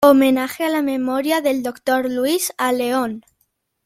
Homenaje a la Memoria del Doctor Luis A. León.